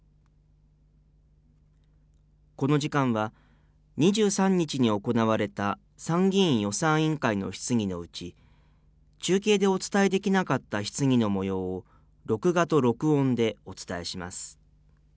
この時間は、２３日に行われた参議院予算委員会の質疑のうち、中継でお伝えできなかった質疑のもようを、録画と録音でお伝えします。